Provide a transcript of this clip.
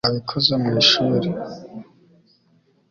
twabikoze mwishuri